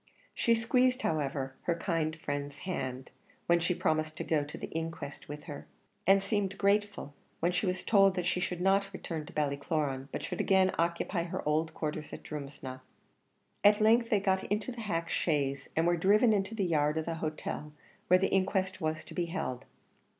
She squeezed, however, her kind friend's hand, when she promised to go to the inquest with her, and seemed grateful when she was told that she should not return to Ballycloran, but should again occupy her old quarters at Drumsna. At length they got into the hack chaise, and were driven into the yard of the hotel where the inquest was to be held.